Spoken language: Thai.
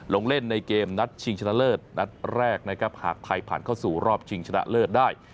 ลงเล่นในเกมนัดชิงชนะเลิศนัดแรกนะครับหากไทยผ่านเข้าสู่รอบชิงชนะเลิศได้